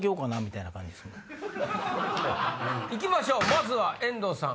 行きましょうまずは遠藤さん